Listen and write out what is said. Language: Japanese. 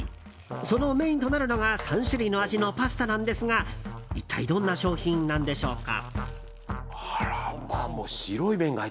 そのメインとなるのが３種類の味のパスタなんですが一体どんな商品なんでしょうか。